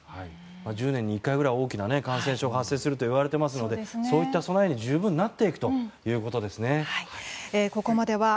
１０年に１回ぐらい大きな感染症が発生するといわれていますしそういった備えに、十分なっていくということですね。